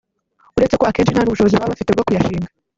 uretse ko akenshi nta n’ubushobozi baba bafite bwo kuyashinga